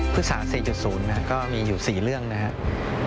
พฤกษา๔๐ก็มีอยู่๔เรื่องนะครับ